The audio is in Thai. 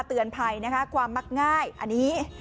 เตือนภัยนะคะความมักง่ายอันนี้